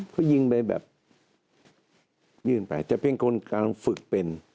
ก็ยิงไปแบบยื่นไปแต่เป็นคนกลางฝึกเป็น